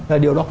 là điều đó